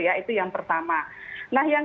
ya itu yang pertama nah yang